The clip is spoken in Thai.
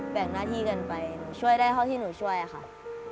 แบ่งหน้าที่กันไปช่วยได้เขาที่หนูช่วยค่ะ